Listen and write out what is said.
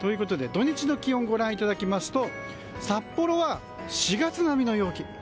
土日の気温ご覧いただきますと札幌は４月並みの陽気。